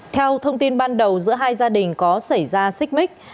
theo thông tin ban đầu giữa hai gia đình có xảy ra xích mít